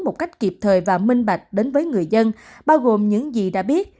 một cách kịp thời và minh bạch đến với người dân bao gồm những gì đã biết